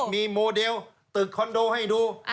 มีโมเดลตึกคอนโดให้ดู